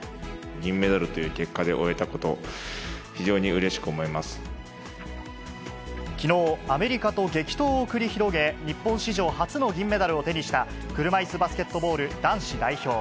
銀メダルという結果で終えたきのう、アメリカと激闘を繰り広げ、日本史上初の銀メダルを手にした、車いすバスケットボール男子代表。